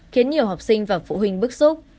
khiến nhiều học sinh và phụ huynh bức xúc